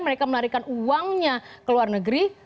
mereka melarikan uangnya ke luar negeri